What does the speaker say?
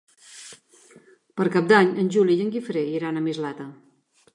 Per Cap d'Any en Juli i en Guifré iran a Mislata.